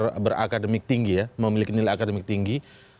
yang berakademik tinggi ya memiliki nilai akademik tinggi